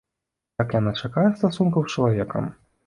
Як яна чакае стасункаў з чалавекам!